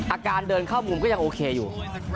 อาการเดินเข้ามุมก็ยังโอเคอยู่